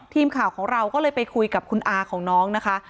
ทีมข่าวของเราก็เลยไปคุยกับคุณอาของน้องนะคะ